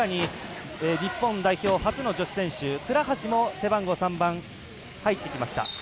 日本代表、初の女子選手倉橋も背番号３番入ってきました。